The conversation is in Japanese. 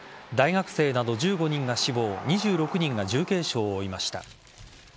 大学生など１５人が死亡２６人が重軽傷を負いました。